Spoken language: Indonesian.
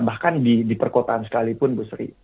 bahkan di perkotaan sekalipun bu sri